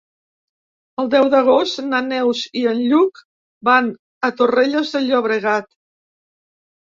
El deu d'agost na Neus i en Lluc van a Torrelles de Llobregat.